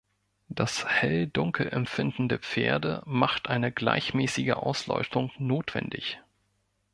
Das Hell-Dunkel-Empfinden der Pferde macht eine gleichmäßige Ausleuchtung notwendig.